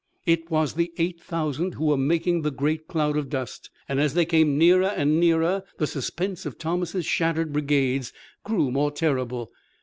It was the eight thousand who were making the great cloud of dust, and, as they came nearer and nearer, the suspense of Thomas' shattered brigades grew more terrible.